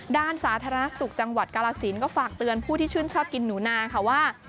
ด้านสาธารณสุขจังหวัดกาลสินก็ฝากเตือนผู้ที่ชื่นชอบกินหนูนาค่ะว่า